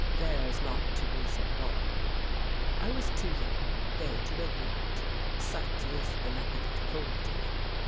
Theirs not to reason why. I was too young, they too ignorant. Such is the method of Authority!